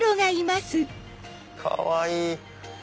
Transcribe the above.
かわいい！